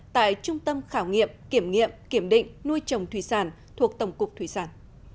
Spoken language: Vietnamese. tại trung tâm khảo nghiệm kiểm nghiệm kiểm định nuôi trồng thủy sản thuộc tổng cục thủy sản